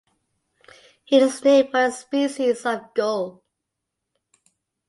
It is named for the species of gull.